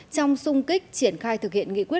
trong sung kích triển khai thực hiện nghị quyết